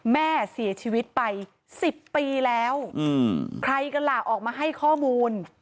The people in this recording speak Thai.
แม่เสียชีวิตไป๑๐ปีแล้วใครกันล่ะออกมาให้ข้อมูล